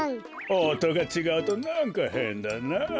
おとがちがうとなんかへんだなあ。